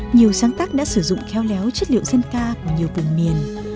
nhiều sáng tác đã sử dụng khéo léo chất liệu dân ca của nhiều vùng miền